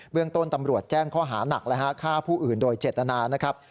เรื่องต้นตำรวจแจ้งข้อหานักฆ่าผู้อื่นโดยเจตนานะครับ